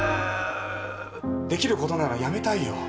できることならやめたいよ。